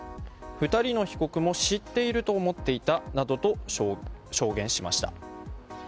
２人の被告も知っていると思っていたなどと証言しました。